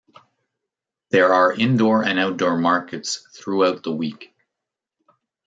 There are indoor and outdoor markets throughout the week.